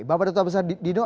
bapak dato' abisah didengar